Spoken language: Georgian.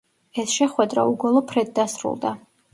ეს შეხვედრა უგოლო ფრედ დასრულდა.